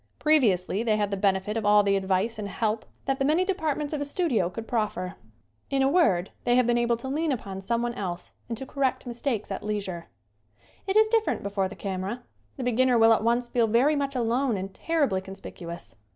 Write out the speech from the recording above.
Previously they have had the benefit of all the advice and help that the many departments of a studio could proffer. In a word they have been able to 73 74 SCREEN ACTING lean upon someone else and to correct mis takes at leisure. It is different before the camera. The be ginner will at once feel very much alone and terribly conspicuous.